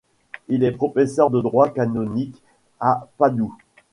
Il est professeur de droit canonique à Padoue.